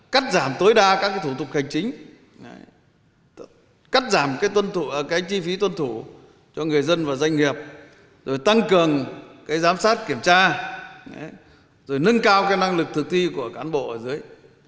cắt giảm tối đa các thủ tục hành chính cắt giảm chi phí tuân thủ cho người dân và doanh nghiệp rồi tăng cường giám sát kiểm tra rồi nâng cao năng lực thực thi của cán bộ ở dưới